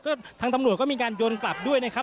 ก็ทางตำรวจก็มีการโยนกลับด้วยนะครับ